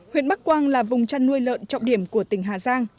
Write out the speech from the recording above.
huyện bắc quang là vùng chăn nuôi lợn trọng điểm của tỉnh hà giang